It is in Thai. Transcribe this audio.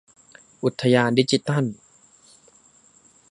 อุทยานดิจิทัล